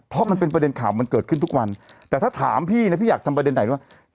เพราะมันเป็นประเด็นข่าวมันเกิดขึ้นทุกวันแต่ถ้าถามพี่นะพี่อยากทำประเด็นไหนด้วย